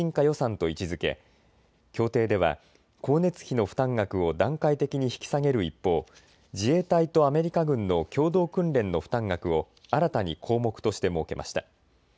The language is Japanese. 予算と位置づけ協定では光熱費の負担額を段階的に引き下げる一方、自衛隊とアメリカ軍の共同訓練の負担額を新たに項目として設けました。